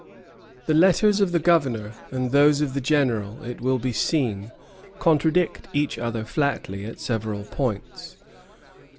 The letters of the Governor and those of the General, it will be seen, contradict each other flatly at several points.